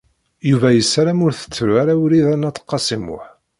Yuba yessaram ur tettru ara Wrida n At Qasi Muḥ.